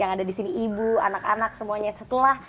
yang ada di sini ibu anak anak semuanya setelah